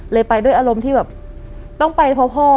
ไปด้วยอารมณ์ที่แบบต้องไปเพราะพ่อ